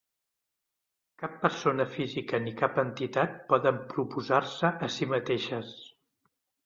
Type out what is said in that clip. Cap persona física ni cap entitat poden proposar-se a si mateixes.